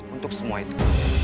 untuk semua itu